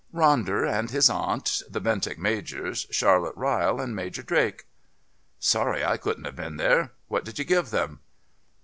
"Ronder and his aunt, the Bentinck Majors, Charlotte Ryle and Major Drake." "Sorry I couldn't have been there. What did you give them?"